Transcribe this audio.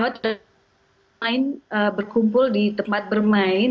bermain berkumpul di tempat bermain